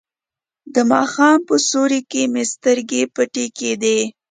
د ماښام په سیوري کې مې سترګې پټې کیږي.